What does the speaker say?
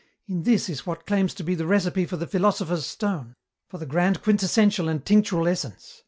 "In this is what claims to be the recipe for the philosopher's stone, for the grand quintessential and tinctural essence.